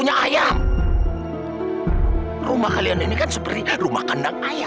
tinggal tinggal selama ini kamu bohongin kita